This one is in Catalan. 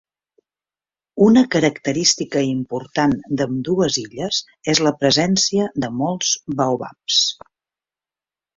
Una característica important d'ambdues illes és la presència de molts baobabs.